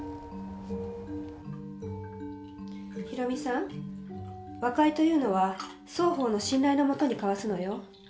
博美さん和解というのは双方の信頼の下に交わすのよ